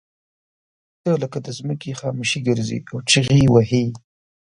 ته لکه د ځمکې خاموشي ګرځې او چغې وهې.